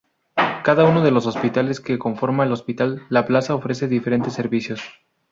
Cada uno de los hospitales que conforma el Hospital La Paz ofrece diferentes servicios.